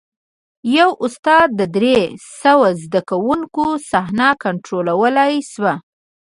یوه استاد د درې سوه زده کوونکو صحنه کنټرولولی شوه.